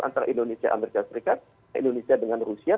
antara indonesia amerika serikat indonesia dengan rusia